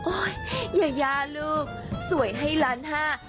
ยายาลูกสวยให้ล้านห้า